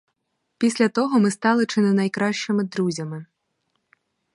Після того ми стали чи не найкращими друзями.